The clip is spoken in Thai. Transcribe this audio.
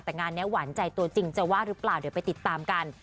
แต่งานนี้หวานใจตัวจริงจะว่าหรือเปล่าเดี๋ยวไปติดตามกัน